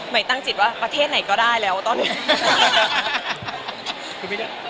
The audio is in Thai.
ตั้งจิตว่าประเทศไหนก็ได้แล้วตอนนี้